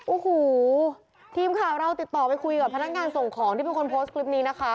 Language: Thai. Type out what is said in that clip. โอ้โหทีมข่าวเราติดต่อไปคุยกับพนักงานส่งของที่เป็นคนโพสต์คลิปนี้นะคะ